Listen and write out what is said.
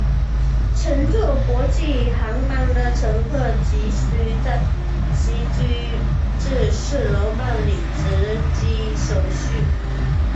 乘坐国际航班的乘客则需至四楼办理值机手续。